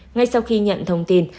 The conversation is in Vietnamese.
ngay sau khi nhận thông tin